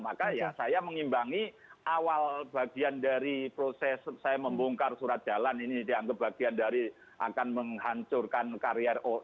maka ya saya mengimbangi awal bagian dari proses saya membongkar surat jalan ini dianggap bagian dari akan menghancurkan karir